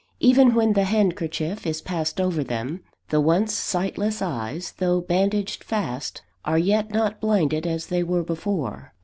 Even when the handkerchief is passed over them, the once sightless eyes, though bandaged fast, are yet not blinded as they were before.